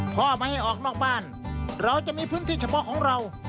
พ่อไม่ให้ออกนอกบ้านเราจะมีพื้นที่เฉพาะของเรา